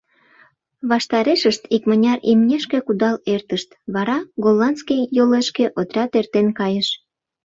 Ваштарешышт икмыняр имнешке кудал эртышт, вара голландский йолешке отряд эртен кайыш.